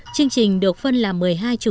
chương trình được phân làm một mươi hai chủ